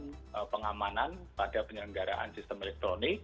jadi sistem pengamanan pada penyelenggaraan sistem elektronik